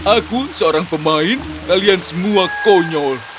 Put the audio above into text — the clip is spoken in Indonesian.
aku seorang pemain kalian semua konyol